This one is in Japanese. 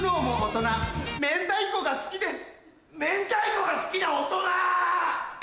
明太子が好きな大人！